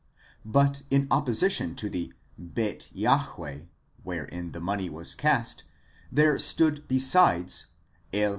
But in apposition to the 7}7! M3, wherein the money was cast, there stood besides TyTN.